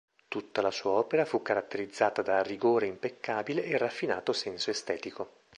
Tutta la sua opera fu caratterizzata da "rigore impeccabile e raffinato senso estetico".